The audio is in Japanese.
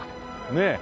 ねえ。